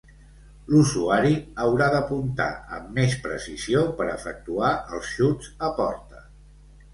L'usuari haurà d'apuntar amb més precisió per efectuar els xuts a porta.